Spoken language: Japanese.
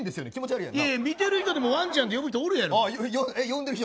見ている人でもワンちゃんって呼ぶ人おるやろ。